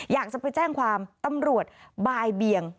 อยากจะไปแจ้งความตำรวจบายเบียง